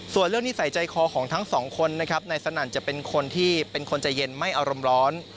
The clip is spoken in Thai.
ส่วนเรื่องนิสัยใจคอของทั้งสองคนนะครับนายสนั่นจะเป็นคนที่เป็นคนใจเย็นไม่อารมณ์ร้อน